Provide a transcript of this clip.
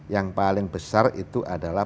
yang paling besar itu adalah